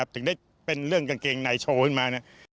ถึงได้เป็นเรื่องกางเกงในโชว์ขึ้นมา